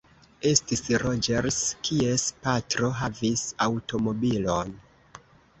Estis Roĝers, kies patro havis aŭtomobilon.